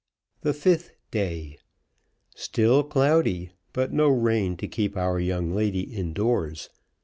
THE FIFTH DAY. STILL cloudy, but no rain to keep our young lady indoors.